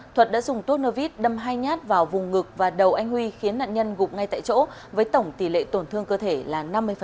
thuật đã dùng tua vít đâm hai nhát vào vùng ngực và đầu anh huy khiến nạn nhân gục ngay tại chỗ với tổng tỷ lệ tổn thương cơ thể là năm mươi